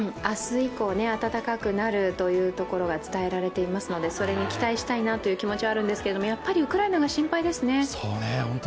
明日以降、暖かくなるということが伝えられていますのでそれに期待したいなという気持ちはあるんですけど、やっぱりウクライナが心配ですね。